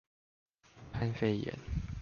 武漢肺炎